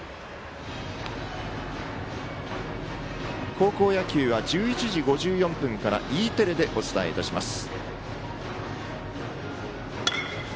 高校野球は１１時５４分からＥテレでお伝えします。